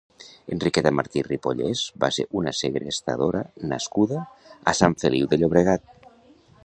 Enriqueta Martí i Ripollés va ser una segrestadora nascuda a Sant Feliu de Llobregat.